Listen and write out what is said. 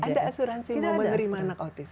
ada asuransi mau menerima anak autis